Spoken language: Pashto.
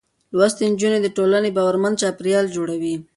لوستې نجونې د ټولنې باورمن چاپېريال جوړوي.